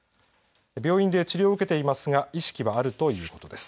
病院で治療を受けていますが意識はあるということです。